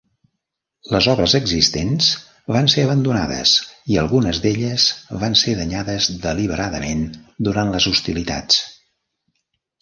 Les obres existents van ser abandonades i algunes d'elles van ser danyades deliberadament durant les hostilitats.